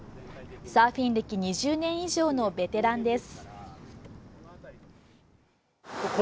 サーフィン歴２０年以上のベテランです。